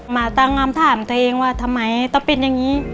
มาตั้งคำถามตัวเองว่าทำไมต้องเป็นอย่างนี้